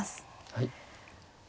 はい。